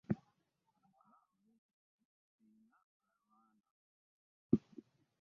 Leka mbetegule sirina galwana .